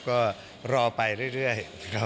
ก็รอไปเรื่อย